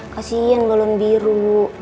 kasian balon biru